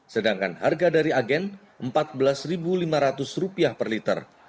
sedangkan harga dari agen rp empat belas lima ratus per liter